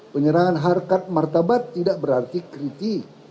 penyerangan harkat martabat tidak berarti kritik